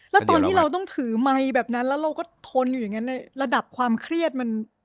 แล้วตอนที่เราต้องถือไมค์แบบนั้นแล้วเราก็ทนอยู่อย่างนั้นในระดับความเครียดมัน